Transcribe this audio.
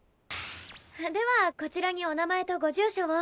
ではこちらにお名前とご住所を。